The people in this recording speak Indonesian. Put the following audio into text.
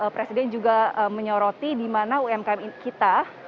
presiden juga menyoroti dimana umkm kita